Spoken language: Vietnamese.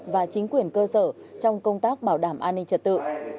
và chính quyền cơ sở trong công tác bảo đảm an ninh trật tự